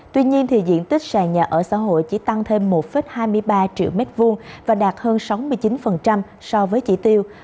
tuy nhiên diện tích sàn nhà ở xã hội chỉ tăng thêm một hai mươi ba triệu m hai và đạt hơn sáu mươi chín so với chỉ tiêu